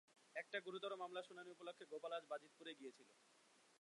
একটা গুরুতর মামলার শুনানি উপলক্ষে গোপাল আজ বাজিতপুরে গিয়েছিল।